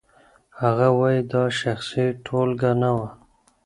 هغه وايي دا شخصي ټولګه نه وه.